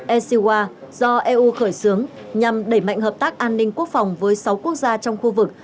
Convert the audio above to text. ecwa do eu khởi xướng nhằm đẩy mạnh hợp tác an ninh quốc phòng với sáu quốc gia trong khu vực